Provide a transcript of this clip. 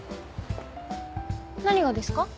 何がですか？